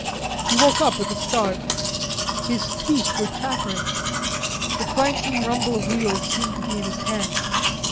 He woke up with a start. His teeth were chattering. The clanking rumble of wheels seemed to be in his head.